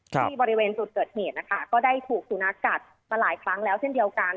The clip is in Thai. ที่บริเวณจุดเกิดเหตุนะคะก็ได้ถูกสุนัขกัดมาหลายครั้งแล้วเช่นเดียวกัน